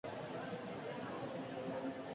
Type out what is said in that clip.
Nork berea egiten ikasi du.